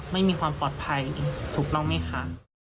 ไม่มีความปลอดภัยอีกถูกต้องไม่ค้าง